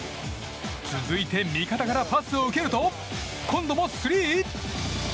続いて、味方からパスを受けると今度もスリー？